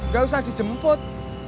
gak usah dijemput